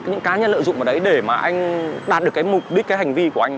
những cá nhân lợi dụng ở đấy để mà anh đạt được cái mục đích cái hành vi của anh